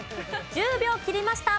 １０秒切りました。